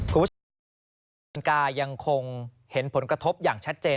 คุณผู้ชมคุ้มกลางกายยังคงเห็นผลกระทบอย่างชัดเจน